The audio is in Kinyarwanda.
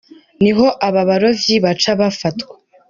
Ni ho abo barovyi baca bafatwa.